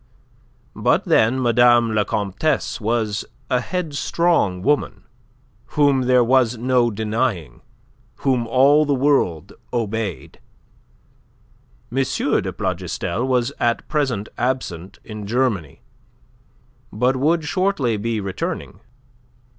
But then Madame la Comtesse was a headstrong woman whom there was no denying, whom all the world obeyed. M. de Plougastel was at present absent in Germany, but would shortly be returning.